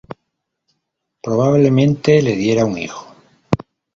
Probablemente le diera un hijo.